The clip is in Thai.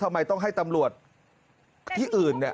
ทำไมต้องให้ตำรวจที่อื่นเนี่ย